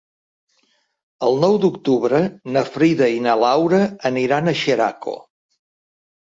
El nou d'octubre na Frida i na Laura aniran a Xeraco.